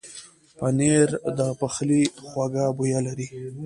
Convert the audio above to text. پنېر د پخلي خوږه بویه لري.